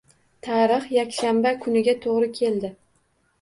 Tarix yakshanba kuniga to‘g‘ri keldi.